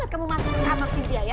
kamu masuk ke kamar sidya ya